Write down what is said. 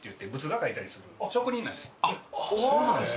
あっそうなんですか？